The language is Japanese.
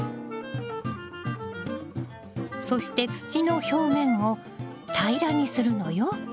そして土の表面を平らにするのよ。